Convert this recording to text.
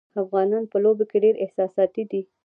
افغانان په لوبو کې ډېر احساساتي دي.